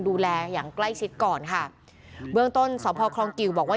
ดูแลอย่างใกล้ชิดก่อนค่ะเบื้องต้นสพคลองกิวบอกว่า